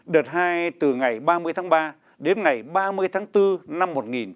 đợt hai từ ngày ba mươi tháng ba đến ngày ba mươi tháng bốn năm một nghìn chín trăm bảy mươi năm